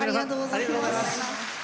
ありがとうございます。